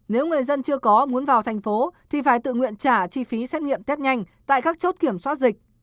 nếu người dân chưa có muốn vào thành phố thì phải tự nguyện trả chi phí xét nghiệm test nhanh tại các chốt kiểm soát dịch